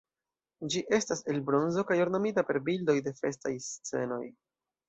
Ĝi estas el bronzo kaj ornamita per bildoj de festaj scenoj.